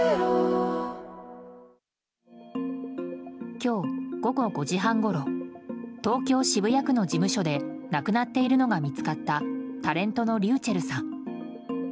今日、午後５時半ごろ東京・渋谷区の事務所で亡くなっているのが見つかったタレントのｒｙｕｃｈｅｌｌさん。